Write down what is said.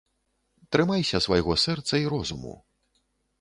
Трымайся свайго сэрца і розуму.